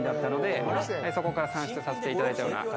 そこから算出させていただいたような形。